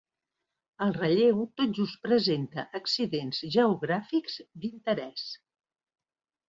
El relleu tot just presenta accidents geogràfics d'interès.